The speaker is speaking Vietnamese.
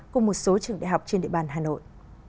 cùng một số trường đại học trên địa bàn hà nội